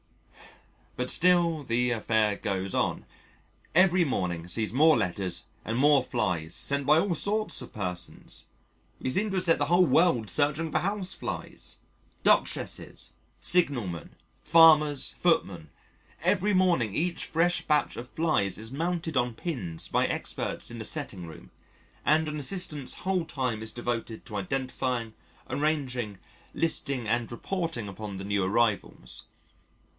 But still the affair goes on. Every morning sees more letters and more flies sent by all sorts of persons we seem to have set the whole world searching for Houseflies Duchesses, signalmen, farmers, footmen. Every morning each fresh batch of flies is mounted on pins by experts in the Setting Room, and an Assistant's whole time is devoted to identifying, arranging, listing and reporting upon the new arrivals.